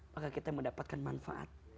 maka kita mendapatkan manfaat